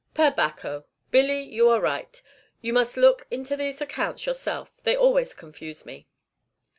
"Per Bacco! Billy, you are right; you must look into these accounts yourself. They always confuse me."